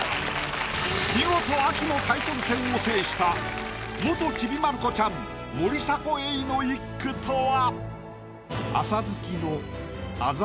見事秋のタイトル戦を制した元ちびまる子ちゃん森迫永依の一句とは？